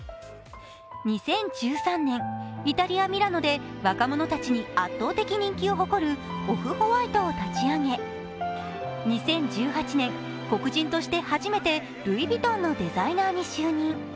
２０１３年、イタリア・ミラノで若者たちに圧倒的人気を誇るオフ−ホワイトを立ち上げ、２０１８年、黒人として初めてルイ・ヴィトンのデザイナーに就任。